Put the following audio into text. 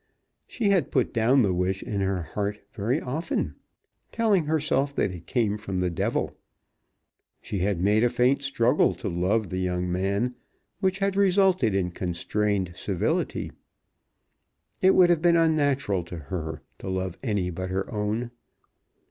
She had put down the wish in her heart very often, telling herself that it came from the Devil. She had made a faint struggle to love the young man, which had resulted in constrained civility. It would have been unnatural to her to love any but her own.